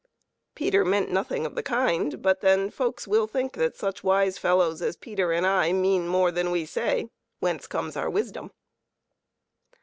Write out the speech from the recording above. Peter meant nothing of the kind, but then folks will think that such wise fellows as Peter and I mean more than we say, whence comes our wisdom.